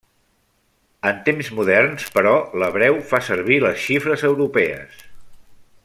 En temps moderns, però, l'hebreu fa servir les xifres europees.